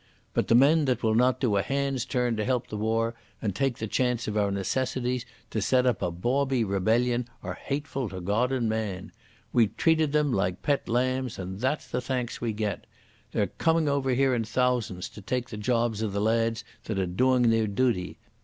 But the men that will not do a hand's turn to help the war and take the chance of our necessities to set up a bawbee rebellion are hateful to Goad and man. We treated them like pet lambs and that's the thanks we get. They're coming over here in thousands to tak the jobs of the lads that are doing their duty.